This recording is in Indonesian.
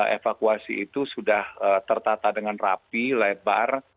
evakuasi itu sudah tertata dengan rapi lebar